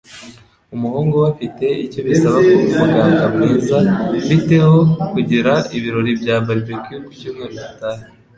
Umuhungu we afite icyo bisaba kuba umuganga mwiza. Bite ho kugira ibirori bya barbecue ku cyumweru gitaha?